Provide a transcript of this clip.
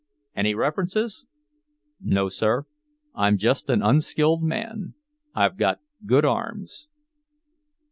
"Any references?" "No, sir. I'm just an unskilled man. I've got good arms."